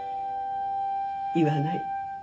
言わない。